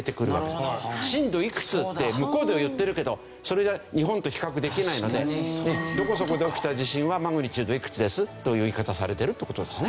震度いくつって向こうでは言ってるけどそれじゃあ日本と比較できないので「どこそこで起きた地震はマグニチュードいくつです」という言い方をされてるって事ですね。